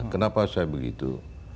kenapa saya begitu